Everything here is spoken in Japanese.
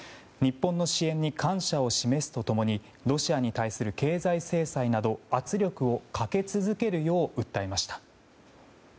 日本の支援に感謝を示すと共にロシアに対する経済制裁など圧力をかけ続けるよう訴えました。